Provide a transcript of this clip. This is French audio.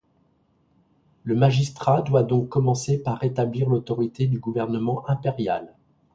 Le magistrat doit donc commencer par rétablir l'autorité du gouvernement impérial.